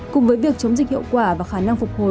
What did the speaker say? cùng với việc chống dịch hiệu quả và khả năng phục hồi